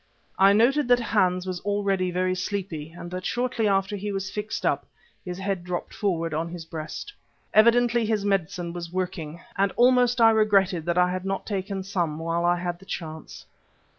I noted that Hans was already very sleepy and that shortly after he was fixed up, his head dropped forward on his breast. Evidently his medicine was working, and almost I regretted that I had not taken some while I had the chance.